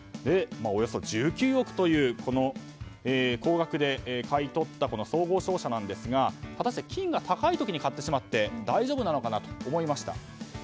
およそ１９億という高額で買い取った総合商社ですが果たして、金が高い時に買ってしまって大丈夫なのかなと思いました。